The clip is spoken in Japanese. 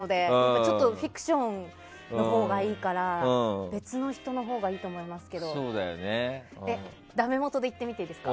さすがに、ドラマの世界なのでフィクションのほうがいいから別の人のほうがいいかなと思いますけどダメもとで言ってみていいですか？